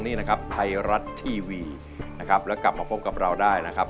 นี่นะครับไทยรัฐทีวีนะครับแล้วกลับมาพบกับเราได้นะครับ